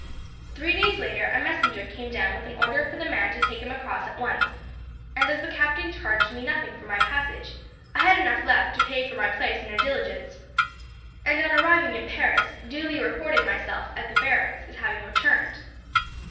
"Three days later, a messenger came down with an order for the man to take him across at once, and as the captain charged me nothing for my passage, I had enough left to pay for my place in a diligence, and on arriving in Paris duly reported myself, at the barracks, as having returned.